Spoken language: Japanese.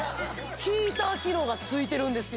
ヒーター機能がついてるんですよ